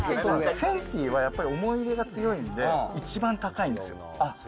センティーはやっぱり、思い入れが強いんで、一番高いんですよ。